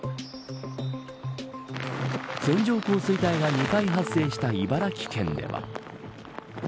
線状降水帯が２回発生した茨城県では。